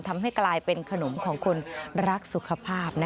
ทำให้กลายเป็นขนมของคนรักสุขภาพเป็นสมุนไพรนะคะ